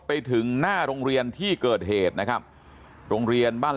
ไปถึงหน้าโรงเรียนที่เกิดเหตุนะครับโรงเรียนบ้าน